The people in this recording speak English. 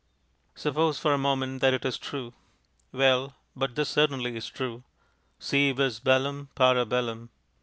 Suppose for a moment that it is true. Well, but this certainly is true: _Si vis bellum, para bellum.